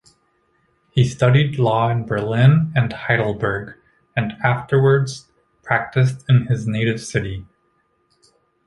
He studied law in Berlin and Heidelberg, and afterwards practised in his native city.